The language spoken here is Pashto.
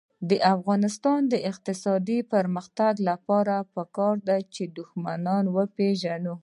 د افغانستان د اقتصادي پرمختګ لپاره پکار ده چې دښمن وپېژنو.